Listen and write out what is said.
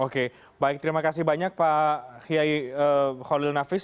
oke baik terima kasih banyak pak khiai kholil nafis